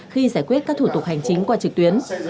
khi giải quyết các thủ tục hành chính qua trực tuyến